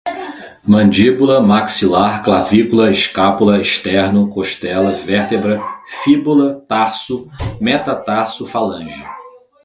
mandíbula, maxilar, clavícula, escápula, esterno, costela, vértebra, fíbula, tarso, metatarso, falange